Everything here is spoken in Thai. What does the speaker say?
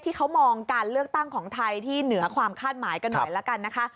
ที่เขามองการเลือกตั้งของไทยที่เหนือความคาดหมายกันหน่อยละกันนะคะ